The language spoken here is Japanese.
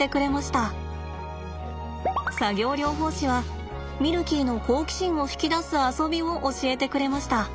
作業療法士はミルキーの好奇心を引き出す遊びを教えてくれました。